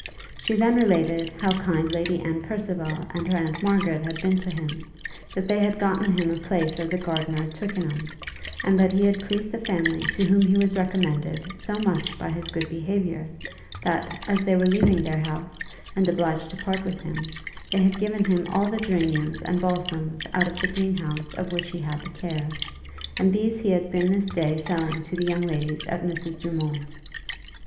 She then related how kind Lady Anne Percival and her Aunt Margaret had been to him; that they had gotten him a place as a gardener at Twickenham; and that he had pleased the family to whom he was recommended so much by his good behaviour, that, as they were leaving their house, and obliged to part with him, they had given him all the geraniums and balsams out of the green house of which he had the care, and these he had been this day selling to the young ladies at Mrs. Dumont's.